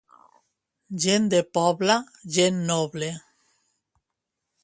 Gent de poble, gent noble.